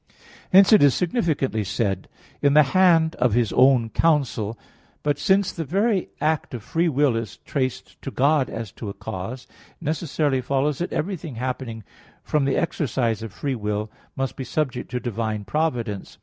Hence it is significantly said: "In the hand of his own counsel." But since the very act of free will is traced to God as to a cause, it necessarily follows that everything happening from the exercise of free will must be subject to divine providence.